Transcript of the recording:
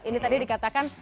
ini tadi dikatakan